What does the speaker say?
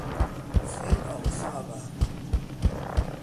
Fer el fava.